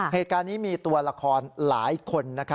เหตุการณ์นี้มีตัวละครหลายคน